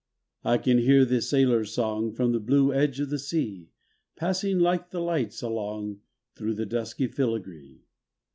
I can hear the sailors' song From the blue edge of the sea, Passing like the lights along Thro' the dusky filigree.